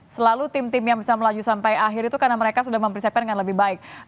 selalu tim tim yang bisa melaju sampai akhir itu karena mereka sudah mempersiapkan dengan lebih baik